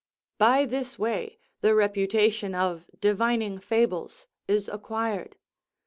By this way the reputation of divining fables is acquired.